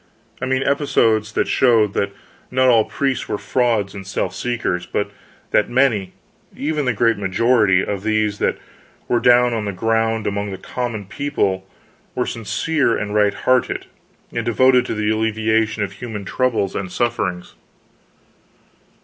I mean, episodes that showed that not all priests were frauds and self seekers, but that many, even the great majority, of these that were down on the ground among the common people, were sincere and right hearted, and devoted to the alleviation of human troubles and sufferings.